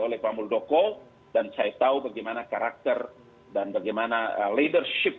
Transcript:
oleh pak muldoko dan saya tahu bagaimana karakter dan bagaimana leadership